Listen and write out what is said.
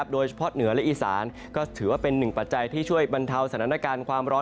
โดยเฉพาะเหนือและอีสานก็ถือว่าเป็นหนึ่งปัจจัยที่ช่วยบรรเทาสถานการณ์ความร้อน